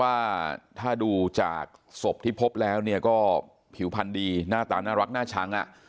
แต่ถ้าดูจากศพที่พบแล้วก็ผิวพันธ์ดีหน้าตาน่ารักหน้าชั้ง